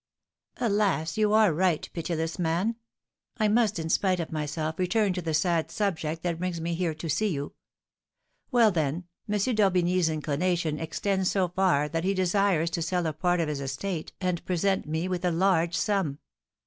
"Alas, you are right, pitiless man! I must, in spite of myself, return to the sad subject that brings me here to see you. Well, then, M. d'Orbigny's inclination extends so far that he desires to sell a part of his estate and present me with a large sum."